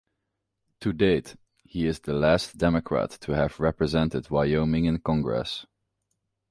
To date, he is the last Democrat to have represented Wyoming in Congress.